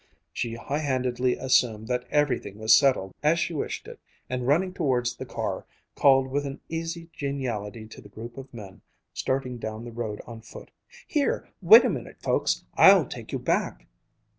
She high handedly assumed that everything was settled as she wished it, and running towards the car, called with an easy geniality to the group of men, starting down the road on foot, "Here, wait a minute, folks, I'll take you back!"